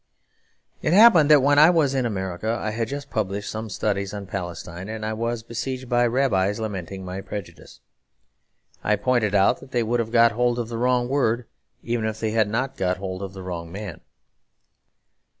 It happened that, when I was in America, I had just published some studies on Palestine; and I was besieged by Rabbis lamenting my 'prejudice.' I pointed out that they would have got hold of the wrong word, even if they had not got hold of the wrong man.